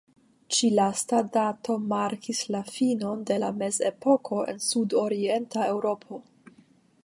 Ĉi-lasta dato markis la finon de la Mezepoko en Sudorienta Eŭropo.